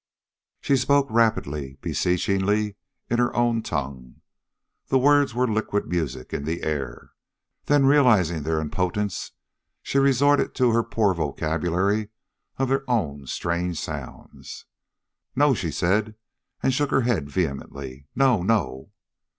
She spoke rapidly, beseechingly, in her own tongue. The words were liquid music in the air. Then, realizing their impotence, she resorted to her poor vocabulary of their own strange sounds. "No!" she said, and shook her head vehemently. "No no!"